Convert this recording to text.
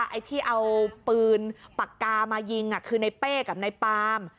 ไอ้ที่เอาปืนปากกามายิงคือในเป้กับในปาม